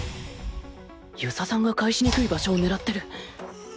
遊佐さんが返しにくい場所を狙ってる！